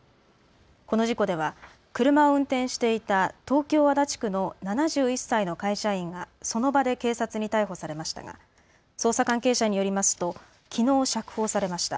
この事故では車を運転していた東京足立区の７１歳の会社員がその場で警察に逮捕されましたが捜査関係者によりますときのう釈放されました。